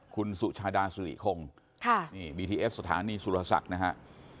คุณสุชาดาสุริคงบีทีเอสสถานีสุรสักรณ์นะครับ